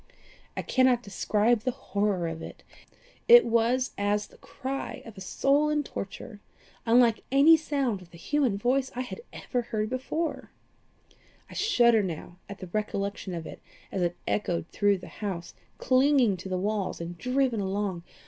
I cannot describe the horror of it. It was as the cry of a soul in torture unlike any sound of the human voice I had ever before heard. I shudder now at the recollection of it as it echoed through the house, clinging to the walls and driven along.